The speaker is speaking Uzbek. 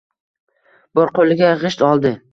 Bir qo‘liga g‘isht oldi.